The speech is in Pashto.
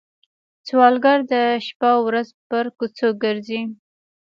سوالګر د شپه ورځ پر کوڅو ګرځي